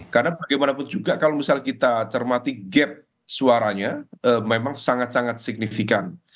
karena bagaimanapun juga kalau misalnya kita cermati gap suaranya memang sangat sangat signifikan